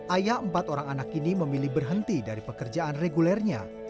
ayah empat orang anak ini memilih berhenti dari pekerjaan regulernya